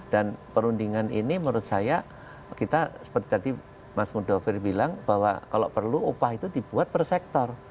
dan perundingan ini menurut saya kita seperti tadi mas mudovi bilang bahwa kalau perlu upah itu dibuat per sektor